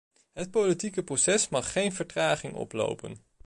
Het politieke proces mag geen vertraging oplopen.